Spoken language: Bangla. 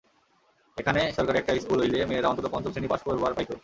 এখানে সরকারি একটা স্কুল অইলে মেয়েরা অন্তত পঞ্চম শ্রেণি পাস করবার পাইত।